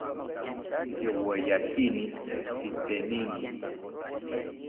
Yoweyakini tzitenini